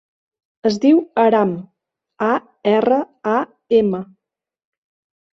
Es diu Aram: a, erra, a, ema.